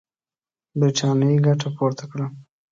برټانیې ګټه پورته کړه.